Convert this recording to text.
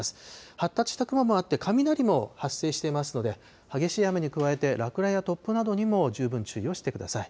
発達した雲もあって、雷も発生していますので、激しい雨に加えて、落雷や突風などにも十分注意をしてください。